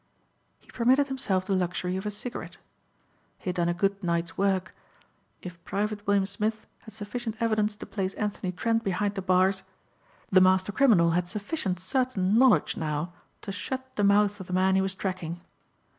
He permitted himself the luxury of a cigarette. He had done a good night's work. If Private William Smith had sufficient evidence to place Anthony Trent behind the bars the master criminal had sufficient certain knowledge now to shut the mouth of the man he was tracking.